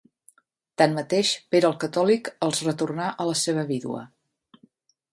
Tanmateix, Pere el Catòlic els retornà a la seva vídua.